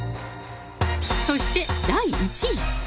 そして第１位。